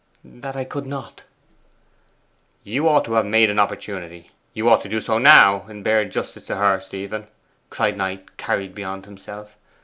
'That I could not.' 'You ought to have made an opportunity; you ought to do so now, in bare justice to her, Stephen!' cried Knight, carried beyond himself.